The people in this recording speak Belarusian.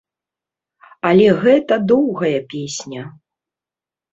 Але гэта доўгая песня.